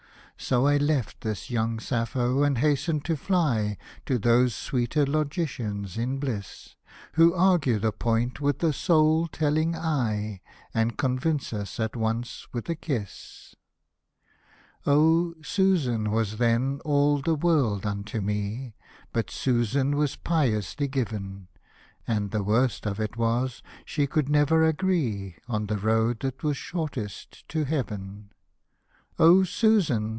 So I left this young Sappho, and hastened to fly To those sweeter logicians in bliss. Who argue the point with a soul telling eye, And convince us at once with a kiss. Oh : Susan was then all the world unto me. But Susan was piously given ; And the worst of it was, we could never agree On the road that was shortest to Heaven. '• O Susan